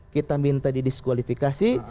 kita minta di diskualifikasi